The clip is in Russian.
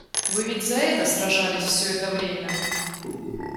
Вы ведь за это сражались все это время?